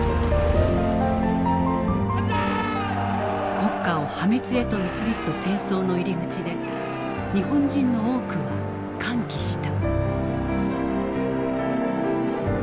国家を破滅へと導く戦争の入り口で日本人の多くは歓喜した。